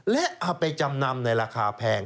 และเอาไปจำนำในราคาแพง